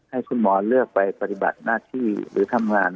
ให้คุณหมอเลือกไปปฏิบัติหน้าที่หรือทำงาน